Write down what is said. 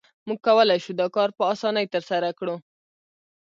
موږ کولای شو دا کار په اسانۍ ترسره کړو